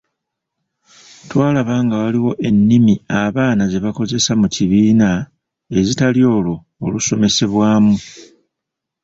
Twalaba nga waliwo ennimi abaana ze bakozesa mu kibiina ezitali olwo olusomesesbwamu.